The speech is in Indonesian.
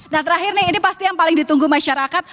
nah terakhir nih ini pasti yang paling ditunggu masyarakat